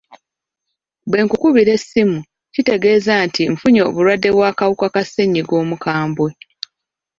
Bwe nkukubira essimu, kitegeeza nti nfunye obulwadde bw'akawuka ka ssenyiga omukambwe.